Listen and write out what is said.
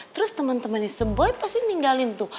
terus temen temennya si boy pasti ninggalin tuh